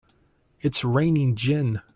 It's raining gin!